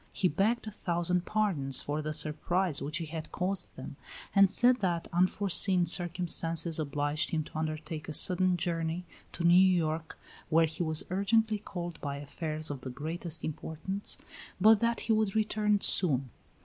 He begged a thousand pardons for the surprise which he had caused them, and said that unforeseen circumstances obliged him to undertake a sudden journey to New York, where he was urgently called by affairs of the greatest importance, but that he would return soon.